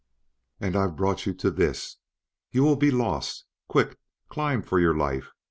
"And I've brought you to this! You will be lost! Quick! Climb for your life!